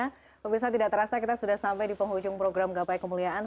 pemirsa tidak terasa kita sudah sampai di penghujung program gapai kemuliaan